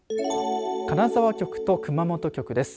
金沢局と熊本局です。